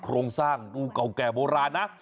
โครงสร้างดูเก่าแก่โบราณนะ